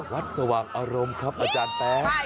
สว่างอารมณ์ครับอาจารย์แป๊ก